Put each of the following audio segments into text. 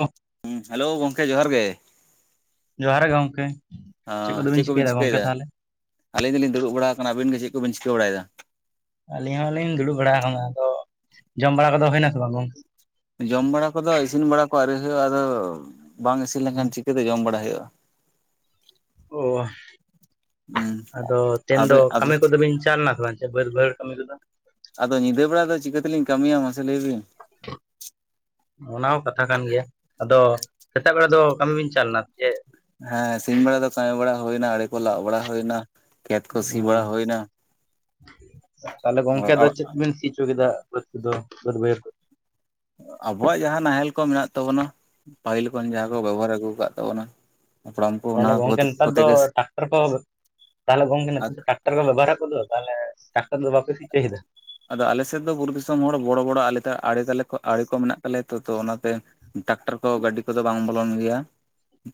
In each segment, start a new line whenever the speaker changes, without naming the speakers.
ᱦᱚ᱾
ᱦᱮᱸ, ᱦᱮᱞᱳ ᱜᱚᱝᱠᱮ ᱡᱚᱦᱟᱨ ᱜᱮ᱾
ᱡᱚᱦᱟᱨ ᱜᱮ ᱜᱚᱢᱠᱮ, ᱪᱮᱫ ᱠᱚᱫᱚᱵᱤᱱ ᱪᱤᱠᱟᱹᱭᱮᱫᱟ ᱜᱚᱝᱠᱮ ᱛᱟᱦᱚᱞᱮ?
ᱟᱹᱞᱤᱧ ᱫᱚᱞᱤᱧ ᱫᱩᱲᱩᱵ ᱵᱟᱲᱟ ᱟᱠᱟᱱᱟ ᱾ ᱟᱵᱤᱱ ᱜᱮ ᱪᱮᱫ ᱠᱚ ᱵᱤᱱ ᱪᱤᱠᱟᱹ ᱵᱟᱲᱟᱭ ᱫᱟ?
ᱟᱹᱞᱤᱧ ᱦᱚᱸᱞᱤᱧ ᱫᱩᱲᱩᱵ ᱵᱟᱲᱟ ᱟᱠᱟᱱᱟ ᱾ ᱟᱫᱚ ᱡᱚᱢ ᱵᱟᱲᱟ ᱠᱚᱫᱚ ᱦᱩᱭᱱᱟᱥᱮ ᱵᱟᱝ ᱜᱚᱝ
ᱡᱚᱢ ᱵᱟᱲᱟ ᱠᱚᱫᱚ ᱤᱥᱤᱱ ᱵᱟᱲᱟ ᱠᱚ ᱟᱹᱣᱨᱤ ᱦᱩᱭᱩᱜᱼᱟ, ᱟᱫᱚ ᱵᱟᱝ ᱤᱥᱤᱱ ᱞᱮᱱᱠᱷᱟᱱ ᱪᱤᱠᱟᱹᱛᱮ ᱡᱚᱢ ᱵᱟᱲᱟ ᱦᱩᱭᱩᱜᱼᱟ᱾
ᱚ,
ᱦᱩᱸ
ᱟᱫᱚ ᱛᱮᱦᱮᱱ
ᱟᱵᱮ
ᱫᱚ
ᱟᱵᱮ
ᱠᱟᱹᱢᱤ ᱠᱚᱫᱚ ᱵᱤᱱ ᱪᱟᱞᱮᱱᱟ ᱥᱮ ᱵᱟᱝ ᱵᱟᱹᱫᱽ ᱵᱟᱹᱭᱟᱹᱲ ᱠᱟᱹᱢᱤ ᱠᱚᱫᱚ?
ᱟᱫᱚ ᱧᱤᱫᱟᱹ ᱵᱮᱲᱟ ᱫᱚ ᱪᱤᱠᱟᱹᱛᱮᱞᱤᱧ ᱠᱟᱹᱢᱤᱭᱟ ᱢᱟᱥᱮ ᱞᱟᱹᱭ ᱵᱤᱱ?
[inaudible] ᱚᱱᱟ ᱦᱚᱸ ᱠᱟᱛᱷᱟ ᱠᱟᱱ ᱜᱮᱭᱟ, ᱟᱫᱚ ᱥᱮᱛᱟᱜ ᱵᱮᱲᱟ ᱫᱚ ᱠᱟᱹᱢᱤ ᱵᱤᱱ ᱪᱟᱞᱮᱱᱟ ᱥᱮ ᱪᱮᱫ?
ᱦᱮᱸ ᱥᱤᱧ ᱵᱮᱲᱟ ᱫᱚ ᱠᱟᱹᱢᱤ ᱵᱟᱲᱟ ᱦᱩᱭᱱᱟ ᱾ ᱟᱲᱮ ᱠᱚ ᱞᱟᱜ ᱵᱟᱲᱟ ᱦᱩᱭᱱᱟ ᱾
ᱦᱩᱸ, ᱛᱟᱦᱞᱮ ᱜᱚᱝᱠᱮ ᱫᱚ ᱪᱮᱫ ᱵᱤᱱ ᱪᱤ [unintelligible] ᱠᱮᱫᱟ ᱵᱟᱹᱫᱽ ᱠᱚᱫᱚ ᱵᱟᱹᱫᱽ ᱵᱟᱹᱭᱟᱹᱲ ᱠᱚ ᱾
ᱟᱵᱚᱣᱟᱜ ᱡᱟᱦᱟᱸ ᱱᱟᱦᱮᱞ ᱠᱚ ᱢᱮᱱᱟᱜ ᱛᱟᱵᱚᱱᱟ᱾ ᱯᱟᱹᱦᱤᱞ ᱠᱷᱚᱱ ᱡᱟᱦᱟᱸ ᱠᱚ ᱵᱮᱵᱚᱦᱟᱨ ᱟᱹᱜᱩ ᱟᱠᱟᱫ ᱛᱟᱵᱚᱱᱟ᱾ ᱦᱟᱯᱲᱟᱢ ᱠᱚ ᱚᱱᱟ
ᱛᱟᱦᱚᱞᱮ ᱜᱚᱝᱠᱮ ᱱᱮᱛᱟᱨ
ᱠᱚᱛᱮ
ᱫᱚ
ᱜᱮ
ᱴᱟᱠᱴᱟᱨ ᱠᱚ, ᱛᱟᱦᱚᱞᱮ ᱜᱚᱝᱠᱮ ᱱᱮᱛᱟᱨ ᱫᱚ ᱴᱟᱠ ᱴᱟᱨ ᱠᱚ ᱵᱮᱵᱚᱦᱟᱨ ᱠᱚᱫᱚ ᱛᱟᱦᱚᱞᱮ ᱴᱟᱠᱴᱟᱨ ᱫᱚ ᱵᱟᱯᱮ ᱥᱤ ᱚᱪᱚᱭᱮᱫᱟ?
ᱟᱫᱚ ᱟᱞᱮ ᱥᱮᱫ ᱫᱚ ᱵᱩᱨᱩ ᱫᱤᱥᱚᱢ ᱦᱚᱲ ᱵᱚᱲᱚ ᱵᱚᱲᱚ ᱟᱞᱮᱛᱮ ᱟᱲᱮ ᱛᱟᱞᱮ ᱟᱲᱮ ᱠᱚ ᱢᱮᱱᱟᱜ ᱛᱟᱞᱮᱭᱟ ᱛᱚ ᱛᱚ ᱚᱱᱟᱛᱮ᱾ ᱴᱟᱠᱴᱟᱨ ᱠᱚ ᱜᱟᱹᱰᱤ ᱠᱚᱫᱚ ᱵᱟᱝ ᱵᱚᱞᱚᱱ ᱜᱮᱭᱟ᱾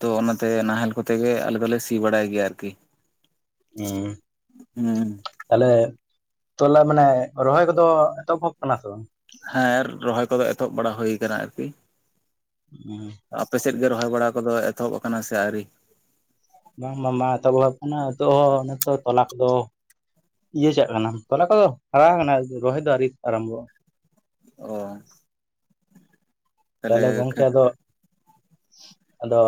ᱛᱚ ᱚᱱᱟᱛᱮ ᱱᱟᱦᱮᱞ ᱠᱚᱛᱮ ᱜᱮ ᱟᱞᱮ ᱫᱚᱞᱮ ᱥᱤ ᱵᱟᱲᱟᱭ ᱜᱮᱭᱟ ᱟᱨ ᱠᱤ
ᱦᱩᱸ ᱾ ᱛᱟᱦᱚᱞᱮ ᱛᱚᱞᱟ ᱢᱟᱱᱮ ᱨᱚᱦᱚᱭ ᱠᱚᱫᱚ ᱮᱛᱚᱦᱚᱵ ᱠᱟᱱᱟ ᱥᱮ ᱵᱟᱝ?
ᱦᱮᱸ ᱨᱚᱦᱚᱭ ᱠᱚᱫᱚ ᱮᱛᱚᱦᱚᱵ ᱵᱟᱲᱟ ᱦᱳᱭ ᱟᱠᱟᱱᱟ ᱟᱨ ᱠᱤ
ᱦᱩᱸ ᱾
ᱟᱯᱮ ᱥᱮᱫ ᱜᱮ ᱨᱚᱦᱚᱭ ᱵᱟᱲᱟ ᱠᱚᱫᱚ ᱮᱛᱚᱦᱚᱵ ᱟᱠᱟᱱᱟ ᱥᱮ ᱟᱹᱣᱨᱤ?
ᱵᱟᱝ ᱵᱟᱝ ᱮᱛᱚᱦᱚᱵ ᱠᱟᱱᱟ ᱱᱤᱛᱚᱜ ᱦᱚᱸ ᱱᱤᱛ ᱛᱚᱞᱟ ᱠᱚᱫᱚ ᱤᱭᱟᱹ ᱪᱟᱜ ᱠᱟᱱᱟ ᱛᱚᱞᱟ ᱠᱚᱫᱚ ᱦᱟᱨᱟ ᱟᱠᱟᱱᱟ ᱨᱚᱦᱚᱭ ᱫᱚ ᱟᱣᱨᱤ ᱟᱨᱟᱢᱵᱚᱜᱼᱟ,
ᱚᱸ
ᱛᱟᱦᱚᱞᱮ ᱜᱚᱢᱠᱮ ᱟᱫᱚ, ᱟᱫᱚ